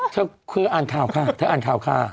เธอเคยอ่านข่าวค่ะเธออ่านข่าวค่ะ